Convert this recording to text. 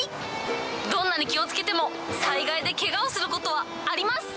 どんなに気をつけても、災害でけがをすることはあります。